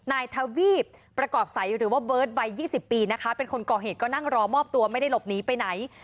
นายทวีปประกอบใสหรือว่าเบิร์ตวัย๒๐ปีนะคะเป็นคนก่อเหตุก็นั่งรอมอบตัวไม่ได้หลบหนีไปไหน